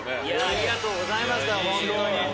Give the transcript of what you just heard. ありがとうございましたほんとに。